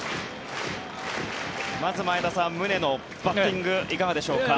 まず前田さん、宗のバッティングいかがでしょうか。